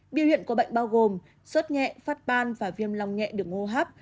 biểu hiện của bệnh bao gồm suốt nhẹ phát ban và viêm lòng nhẹ được ngô hấp